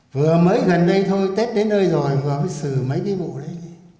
vừa mới gần đây thôi tết đến nơi rồi vừa mới xử mấy cái bộ đấy